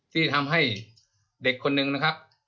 ที่ทำให้เด็กคนหนึ่งนะครับ